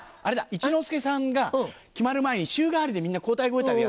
一之輔さんが決まる前に週替わりでみんな交代交代でやった。